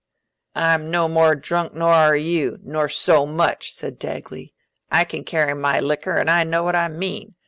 "I'm no more drunk nor you are, nor so much," said Dagley. "I can carry my liquor, an' I know what I meean.